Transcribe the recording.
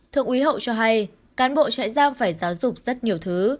thượng úy hậu cho hay cán bộ trại giam phải giáo dục rất nhiều thứ